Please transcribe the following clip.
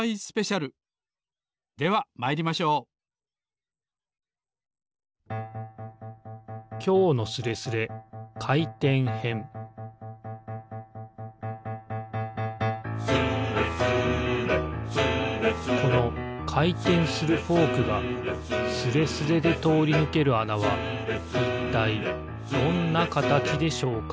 ではまいりましょう「スレスレスレスレ」このかいてんするフォークがスレスレでとおりぬけるあなはいったいどんなかたちでしょうか？